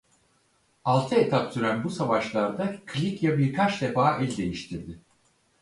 Altı etap süren bu savaşlarda Kilikya birkaç defa el değiştirdi.